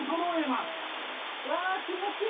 うわあ気持ちいい！